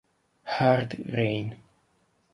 Hard Rain